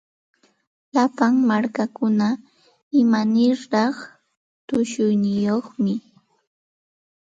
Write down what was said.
Llapa markakuna imaniraq tushuyniyuqmi.